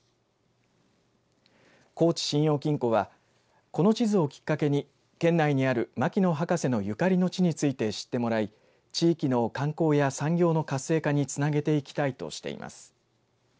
高知信用金庫はこの地図をきっかけに県内にある牧野博士のゆかりの地について知ってもらい地域の観光や産業の活性化につなげていきたいとしています。